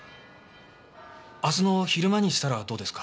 明日の昼間にしたらどうですか？